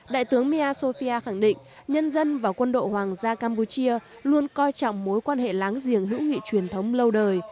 đại tướng miasofia khẳng định nhân dân và quân đội hoàng gia campuchia luôn coi trọng mối quan hệ láng giềng hữu nghị truyền thống lâu đời